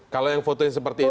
kalau yang foto yang seperti itu